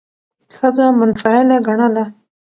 ښځه منفعله ګڼله،